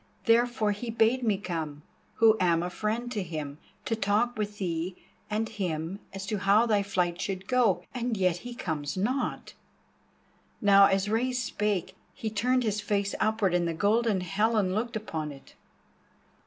Therefore he bade me come, who am a friend to him, to talk with thee and him as to how thy flight should go, and yet he comes not." Now as Rei spake, he turned his face upward, and the Golden Helen looked upon it.